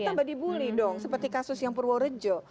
kita tambah dibully dong seperti kasus yang purworejo